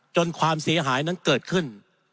ความเสียหายนั้นเกิดขึ้น